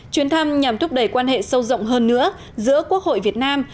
chuyến thăm nhằm thúc đẩy quan hệ sâu rộng hơn nữa giữa quốc hội việt nam